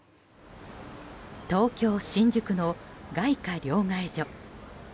東京・新宿の外貨両替所。